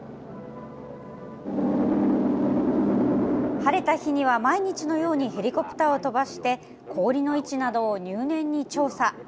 晴れた日には、毎日のようにヘリコプターを飛ばして、氷の位置などを入念に調査。